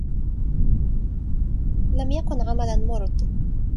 لم يكن عملاً مرضٍ.